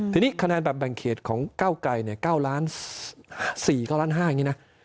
ทีนี้คะแนนแบบแบ่งเขตของเก้าไก่เนี่ย๙ล้าน๔๙ล้าน๕อย่างนี้นะ